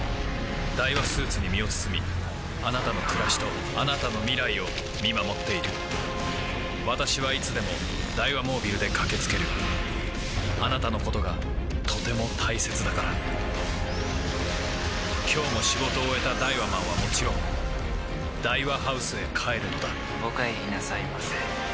ダイワスーツに身を包みあなたの暮らしとあなたの未来を見守っている私はいつでもダイワモービルで駆け付けるあなたのことがとても大切だから今日も仕事を終えたダイワマンはもちろんダイワハウスへ帰るのだお帰りなさいませ。